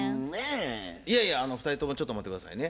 いやいや２人ともちょっと待って下さいね。